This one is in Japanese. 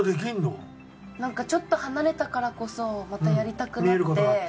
なんかちょっと離れたからこそまたやりたくなって。